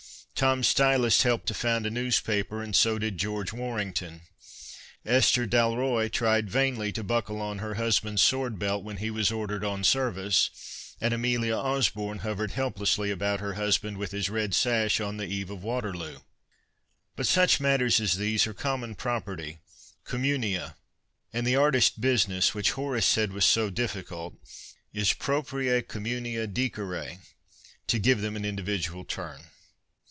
Tom Stylus helped to found a newspaper and so did George Warrington. Esther D'Alroy tried vainly to buckle on her husband's sword belt when he was ordered on service, and Amelia Osborne hovered 2GG T. W. ROBERTSON helplessly about her husband with his red sash on the eve of Waterloo. But such matters as these are common property, communia, and the artist's business, which Horace said was so difficult, is proprie comiminia dicere, to give them an individual turn.